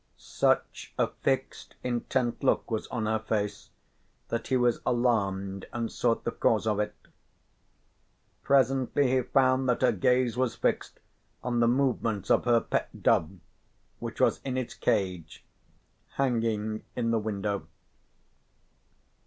Such a fixed intent look was on her face that he was alarmed and sought the cause of it. Presently he found that her gaze was fixed on the movements of her pet dove which was in its cage hanging in the window.